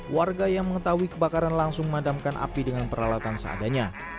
warga yang mengetahui kebakaran langsung memadamkan api dengan peralatan seadanya